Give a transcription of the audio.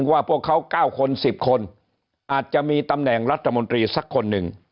ว่าพวกเขา๙คน๑๐คนอาจจะมีตำแหน่งรัฐมนตรีสักคนหนึ่ง